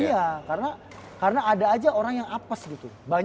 iya karena ada aja orang yang apes gitu